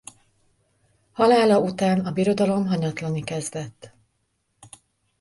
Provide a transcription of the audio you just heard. Halála után a birodalom hanyatlani kezdett.